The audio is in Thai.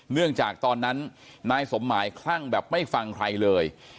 เนื่องจากตอนนั้นนายสมหมายคลั่งแบบไม่ฟังใครเลย